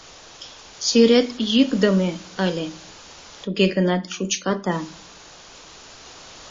Сӱрет йӱкдымӧ ыле, туге гынат шучката.